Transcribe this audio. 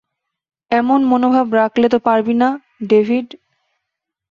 এমন মনোভাব রাখলে তো পারবি না, ডেভিড।